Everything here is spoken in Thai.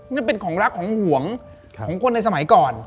นั่นเป็นของรักของห่วงของคนในสมัยก่อน